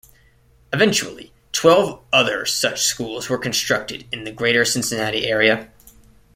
Eventually, twelve other such schools were constructed in the Greater Cincinnati area.